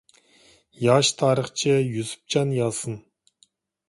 ياش تارىخچى يۈسۈپجان ياسىن.